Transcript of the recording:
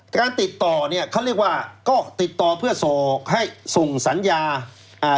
การติดต่อเนี้ยเขาเรียกว่าก็ติดต่อเพื่อส่งให้ส่งสัญญาอ่า